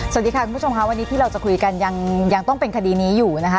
สวัสดีค่ะคุณผู้ชมค่ะวันนี้ที่เราจะคุยกันยังต้องเป็นคดีนี้อยู่นะคะ